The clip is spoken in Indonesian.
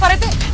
pak rt tunggu